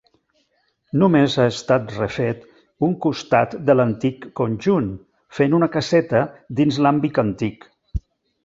Només ha estat refet un costat de l'antic conjunt, fent una caseta dins l'àmbit antic.